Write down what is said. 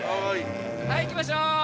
◆はい、行きましょう。